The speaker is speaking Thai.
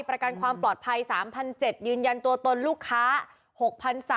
ประกันความปลอดภัย๓๗๐๐บาทยืนยันตัวตนลูกค้า๖๓๐๐บาท